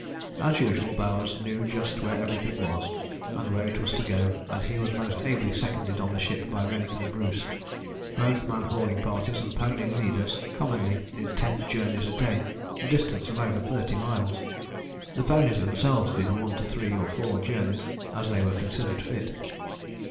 As usual Bowers knew just where everything was, and where it was to go, and he was most ably seconded on the ship by Rennick and Bruce. Both man hauling parties and pony leaders commonly did ten journeys a day, a distance of over thirty miles. The ponies themselves did one to three or four journeys as they were considered fit.